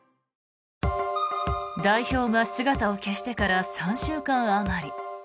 代表が姿を消してから３週間あまり。